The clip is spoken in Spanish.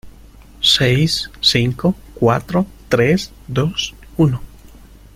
Seis, cinco , cuatro , tres , dos , uno